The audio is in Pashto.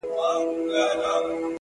مڼې او ناک کرل کېږي.